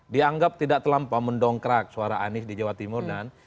dianggap tidak terlampau mendongkrak suara anies di jawa timur dan